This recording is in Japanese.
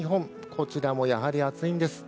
こちらもやはり暑いんです。